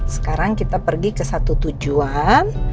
sekarang kita pergi ke satu tujuan